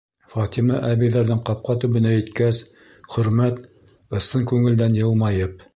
Фатима әбейҙәрҙең ҡапҡа төбөнә еткәс, Хөрмәт, ысын күңелдән йылмайып: